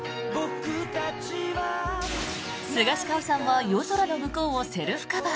スガシカオさんは「夜空ノムコウ」をセルフカバー。